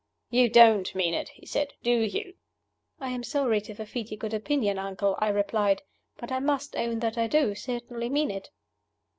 "You don't mean it," he said, "do you?" "I am sorry to forfeit your good opinion, uncle," I replied. "But I must own that I do certainly mean it."